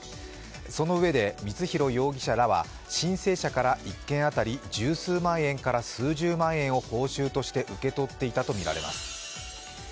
そのうえで光弘容疑者らは申請者から１件当たり十数万円から数十万円を報酬として受け取っていたとみられます。